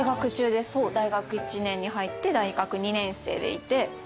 大学１年に入って大学２年生でいて。